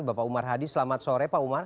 bapak umar hadi selamat sore pak umar